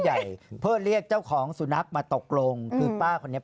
โอ้วผิดบูมากจักรแล้วเลี้ยว